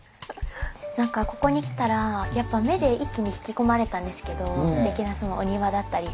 何かここに来たらやっぱ目で一気に引き込まれたんですけどすてきなお庭だったり。